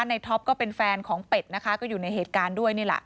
ท็อปก็เป็นแฟนของเป็ดนะคะก็อยู่ในเหตุการณ์ด้วยนี่แหละ